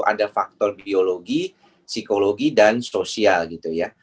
ada faktor biologi psikologi dan sosial gitu ya